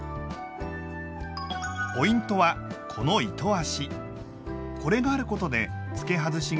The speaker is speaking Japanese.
ポイントはこの糸足！